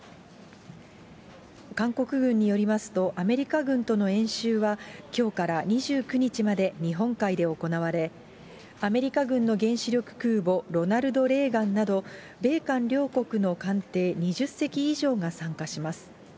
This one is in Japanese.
韓国軍によりますと、アメリカ軍との演習は、きょうから２９日まで、日本海で行われ、アメリカ軍の原子力空母ロナルド・レーガンなど、米韓両国の艦艇２０隻以上が参加します。